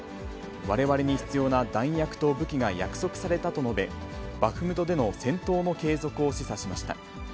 われわれに必要な弾薬と武器が約束されたと述べ、バフムトでの戦闘の継続を示唆しました。